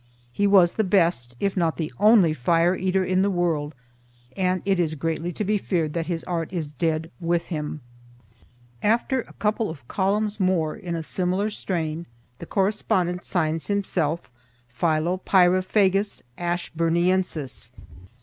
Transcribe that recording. He was the best, if not the only, fire eater in the world, and it is greatly to be feared that his art is dead with him." After a couple of columns more in a similar strain, the correspondent signs himself Philopyraphagus Ashburniensis.